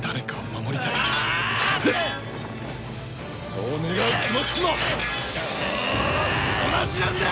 そう願う気持ちも同じなんだ！